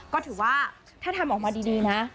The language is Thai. ก็ถือว่าถ้าทำออกมาดีนะ